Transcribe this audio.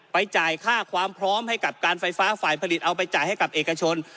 จ่ายค่าความพร้อมให้กับการไฟฟ้าฝ่ายผลิตเอาไปจ่ายให้กับเอกชน